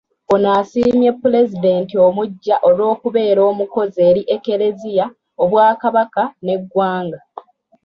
Ono asiimye Pulezidenti omuggya olw’okubeera omukozi eri eklezia, Obwakabaka n’eggwanga.